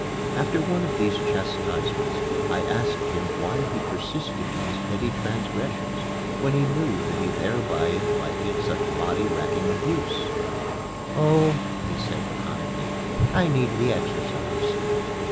After one of these chastisements, I asked him why he persisted in his petty transgressions when he knew that he thereby invited such body racking abuse. "Oh," he said, laconically, "I need the exercise."